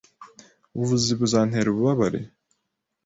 Ubuvuzi buzantera ububabare?